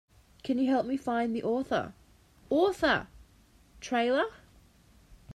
Can you help me find the Author! Author! trailer?